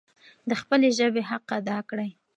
د خپلې ژبي حق ادا کړئ.